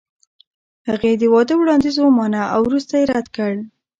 هغې د واده وړاندیز ومانه او وروسته یې رد کړ.